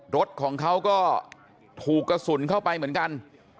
รถของเขาก็ถูกกระสุนเข้าไปเหมือนกัน